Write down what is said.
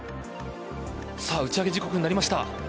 打ち上げ時刻になりました。